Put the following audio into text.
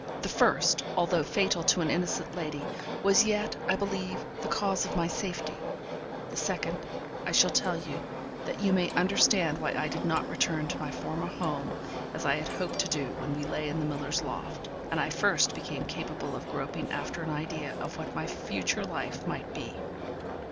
The first, although fatal to an innocent lady, was yet, I believe, the cause of my safety; the second I shall tell you, that you may understand why I did not return to my former home, as I had hoped to do when we lay in the miller's loft, and I first became capable of groping after an idea of what my future life might be.